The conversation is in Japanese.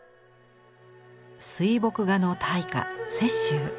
水墨画の大家雪舟。